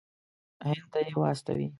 هند ته یې واستوي.